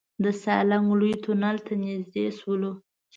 د سالنګ لوی تونل ته نزدې شولو.